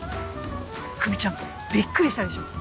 久美ちゃんびっくりしたでしょう？